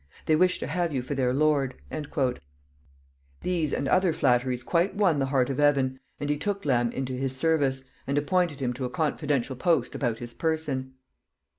They wish to have you for their lord." These and other flatteries quite won the heart of Evan, and he took Lamb into his service, and appointed him to a confidential post about his person.